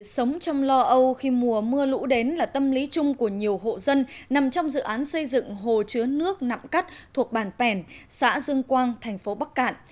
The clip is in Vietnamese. sống trong lo âu khi mùa mưa lũ đến là tâm lý chung của nhiều hộ dân nằm trong dự án xây dựng hồ chứa nước nạm cắt thuộc bản pèn xã dương quang thành phố bắc cạn